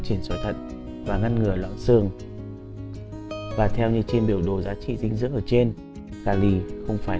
trận và ngăn ngừa loạn xương và theo như trên biểu đồ giá trị dinh dưỡng ở trên kali không phải